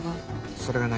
それが何？